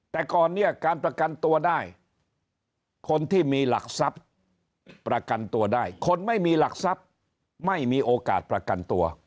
แต่ก่อนเนี่ยการประกันตัวได้คนที่มีหลักทรัพย์ประกันตัวได้คนไม่มีหลักทรัพย์ไม่มีโอกาสประกันตัว